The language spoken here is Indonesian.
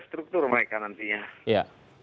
struktur mereka nantinya